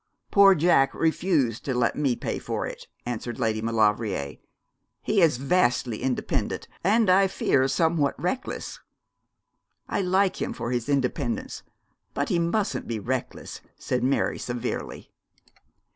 'Poor Jack refused to let me pay for it,' answered Lady Maulevrier. 'He is vastly independent, and I fear somewhat reckless.' 'I like him for his independence; but he mustn't be reckless,' said Mary, severely.